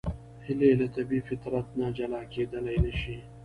هیلۍ له طبیعي فطرت نه جلا کېدلی نشي